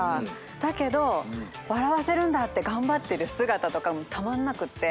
だけど笑わせるんだって頑張ってる姿とかもたまんなくて。